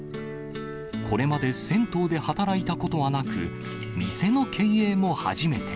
これまで銭湯で働いたことはなく、店の経営も初めて。